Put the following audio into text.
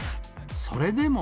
それでも。